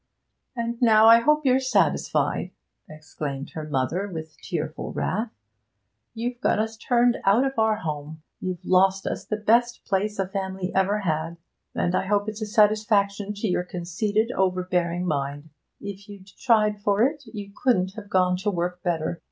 'And now I hope you're satisfied!' exclaimed her mother, with tearful wrath. 'You've got us turned out of our home you've lost us the best place a family ever had and I hope it's a satisfaction to your conceited, overbearing mind! If you'd tried for it you couldn't have gone to work better.